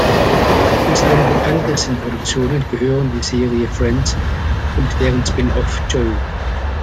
Zu seinen bekanntesten Produktionen gehören die Serie "Friends" und deren Spin-off "Joey".